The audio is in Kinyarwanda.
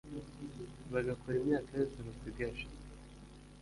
bagakora imyaka yose basigaje,